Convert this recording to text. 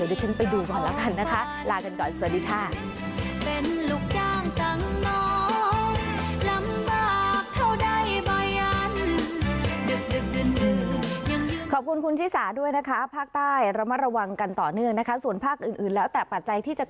เดี๋ยวเดี๋ยวฉันไปดูก่อนแล้วกันนะคะ